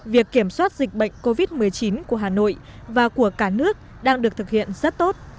việc kiểm soát dịch bệnh covid một mươi chín của hà nội và của cả nước đang được thực hiện rất tốt